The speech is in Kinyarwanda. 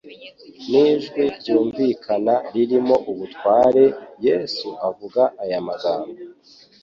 N'ijwi ryumvikana ririmo ubutware, Yesu avuga aya magambo